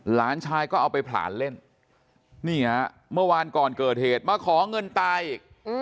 หลานชายก็เอาไปผลานเล่นนี่ฮะเมื่อวานก่อนเกิดเหตุมาขอเงินตายอีก